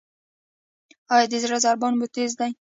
ایا د زړه ضربان مو تېز دی؟